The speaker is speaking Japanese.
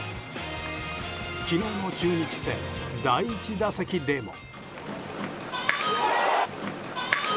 昨日の中日戦、第１打席でも。